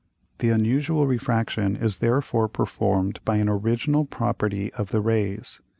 The unusual Refraction is therefore perform'd by an original property of the Rays.